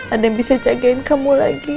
ada yang bisa jagain kamu lagi